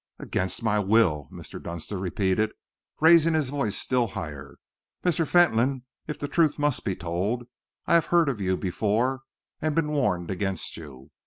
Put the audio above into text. "Against my will?" Mr. Dunster repeated, raising his voice still higher. "Mr. Fentolin, if the truth must be told, I have heard of you before and been warned against you.